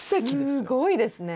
すごいですね。